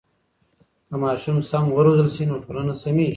که ماشومان سم و روزل سي نو ټولنه سمیږي.